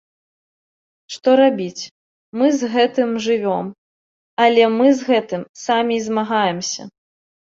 Што рабіць, мы з гэтым жывём, але мы з гэтым самі і змагаемся.